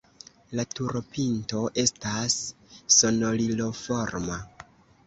La turopinto estas sonoriloforma.